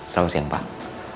selamat siang pak